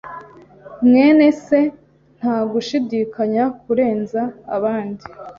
mwene se ntagushidikanya kurenza abandi.